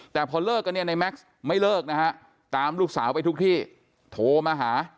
แต่พอเลิกกันเนี่ยในแม็กซ์ไม่เลิกนะฮะตามลูกสาวไปทุกที่โทรมาหา